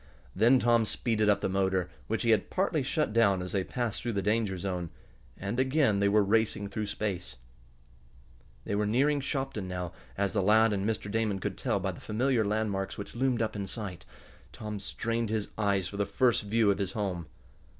Then Tom speeded up the motor, which he had partly shut down as they passed through the danger zone, and again they were racing through space. They were nearing Shopton now, as the lad and Mr. Damon could tell by the familiar landmarks which loomed up in sight. Tom strained his eyes for the first view of his home.